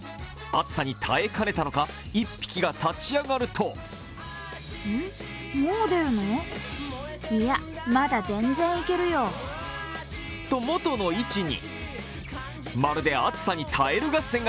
暑さに耐えかねたのか１匹が立ち上がるとと、元の位置に。